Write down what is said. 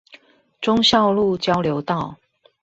忠孝路交流道